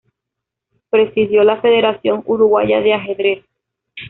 Presidió la Federación Uruguaya de Ajedrez.